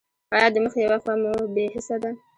ایا د مخ یوه خوا مو بې حسه ده؟